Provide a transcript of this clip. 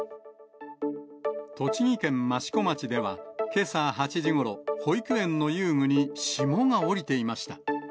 栃木県益子町では、けさ８時ごろ、保育園の遊具に霜が降りていました。